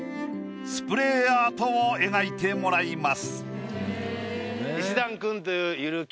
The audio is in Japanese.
スプレーアートを描いてもらいます。